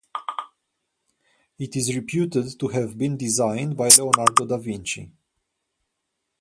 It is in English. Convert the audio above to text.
It is reputed to have been designed by Leonardo da Vinci.